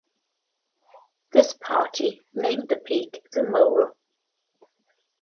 This party named the peak "The Mole".